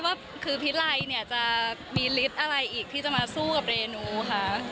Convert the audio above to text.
ว่าคือพิไลเนี่ยจะมีฤทธิ์อะไรอีกที่จะมาสู้กับเรนูคะ